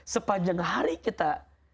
sepanjang hari kita